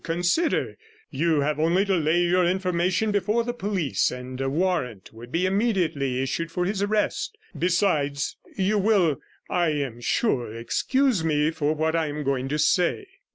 Consider: you have only to lay your information before the police, and a warrant would be immediately issued for his arrest. Besides, you will, I am sure, excuse me for what I am going to say.'